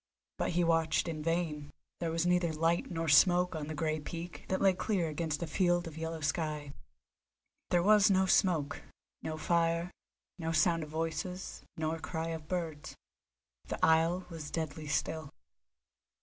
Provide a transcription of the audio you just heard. But he watched in vain; there was neither light nor smoke on the grey peak that lay clear against a field of yellow sky. There was no smoke, no fire, no sound of voices, nor cry of birds. The isle was deadly still.